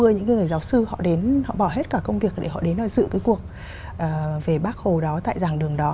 những người giáo sư họ đến họ bỏ hết cả công việc để họ đến rồi giữ cái cuộc về bắc hồ đó tại dạng đường đó